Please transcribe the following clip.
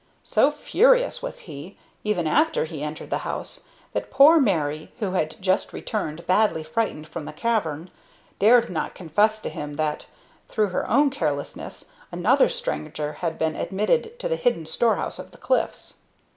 So furious was he, even after he entered the house, that poor Mary, who had just returned badly frightened from the cavern, dared not confess to him that, through her own carelessness, another stranger had been admitted to the hidden storehouse of the cliffs.